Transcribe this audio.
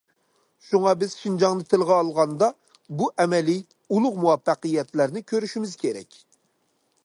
شۇڭا، بىز شىنجاڭنى تىلغا ئالغاندا، بۇ ئەمەلىي، ئۇلۇغ مۇۋەپپەقىيەتلەرنى كۆرۈشىمىز كېرەك.